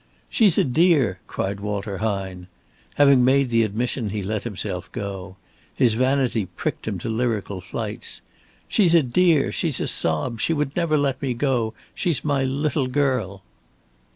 "She's a dear," cried Walter Hine. Having made the admission, he let himself go. His vanity pricked him to lyrical flights. "She's a dear, she's a sob, she would never let me go, she's my little girl."